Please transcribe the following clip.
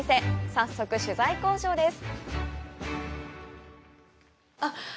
早速、取材交渉です。